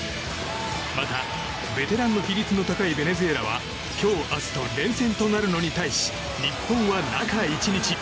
また、ベテランの比率が高いベネズエラは今日、明日と連戦となるのに対し日本は中１日。